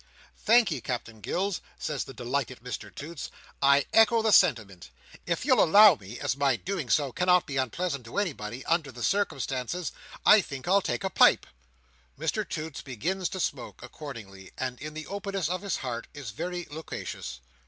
"Thank'ee, Captain Gills," says the delighted Mr Toots. "I echo the sentiment. If you'll allow me, as my so doing cannot be unpleasant to anybody, under the circumstances, I think I'll take a pipe." Mr Toots begins to smoke, accordingly, and in the openness of his heart is very loquacious.